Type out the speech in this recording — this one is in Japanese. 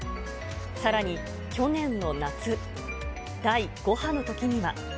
さらに去年の夏、第５波のときには。